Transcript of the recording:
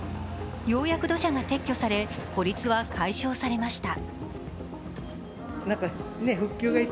ようやく土砂が撤去され孤立は解消されました。